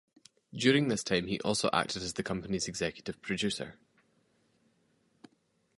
During this time, he also acted as the company's executive producer.